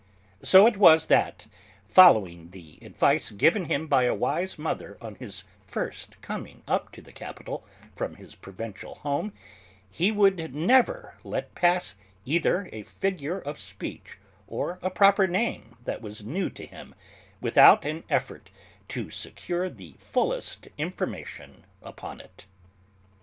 So it was that, following the advice given him by a wise mother on his first coming up to the capital from his provincial home, he would never let pass either a figure of speech or a proper name that was new to him without an effort to secure the fullest information upon it.